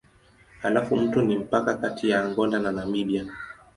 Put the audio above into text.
Halafu mto ni mpaka kati ya Angola na Namibia.